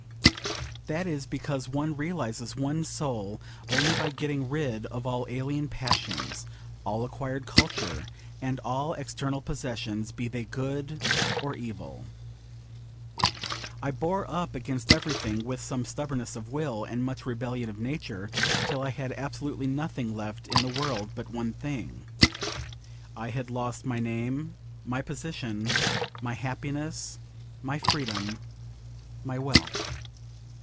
That is because one realises one's soul only by getting rid of all alien passions, all acquired culture, and all external possessions, be they good or evil. I bore up against everything with some stubbornness of will and much rebellion of nature, till I had absolutely nothing left in the world but one thing. I had lost my name, my position, my happiness, my freedom, my wealth.